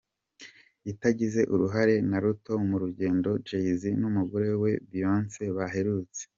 itagize uruhare na ruto mu rugendo Jay-Z numugore we Beyonce baherutse.